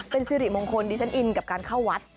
เป็นสิริมงคลดิฉันอินกับการเข้าวัด